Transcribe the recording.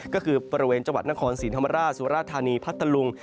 ก็คือบริเวณจังหวัดนครศรีธรรมราชสุราธานีพัทธลุง